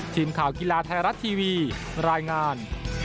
ทีมข่าวกีฬาไทยรัฐทีวีรายงาน